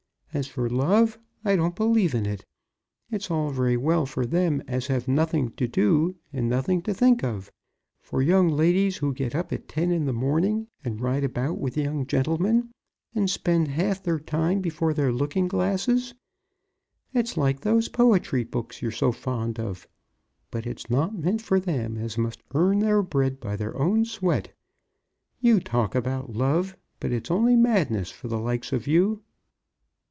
As for love, I don't believe in it. It's all very well for them as have nothing to do and nothing to think of, for young ladies who get up at ten in the morning, and ride about with young gentlemen, and spend half their time before their looking glasses. It's like those poetry books you're so fond of. But it's not meant for them as must earn their bread by their own sweat. You talk about love, but it's only madness for the like of you."